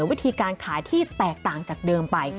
วิธีการขายที่แตกต่างจากเดิมไป